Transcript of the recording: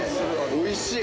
おいしい。